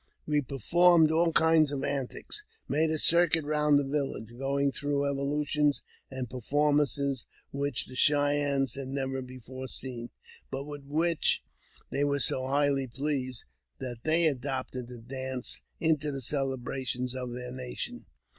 We performed all kinds of antics ; made a circuit round th village, going through evolutions and performances which th( Cheyennes had never before seen, but with which they we so highly pleased, that they adopted the dance into tb celebrations of their nation.